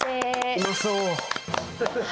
うまそう。